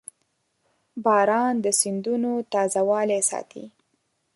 • باران د سیندونو تازهوالی ساتي.